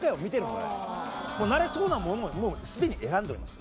なれそうなものをもうすでに選んでおります。